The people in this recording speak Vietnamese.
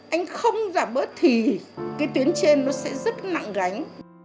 anh không giảm bớt thì cái tuyến trên nó sẽ rất nặng gánh